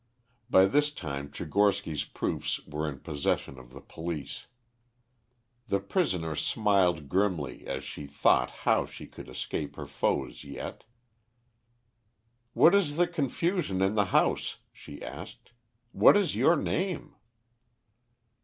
By this time Tchigorsky's proofs were in possession of the police. The prisoner smiled grimly as she thought how she could escape her foes yet. "What is the confusion in the house?" she asked. "What is your name?"